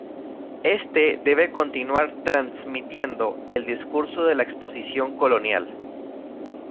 Éste debe continuar transmitiendo el discurso de la Exposición Colonial.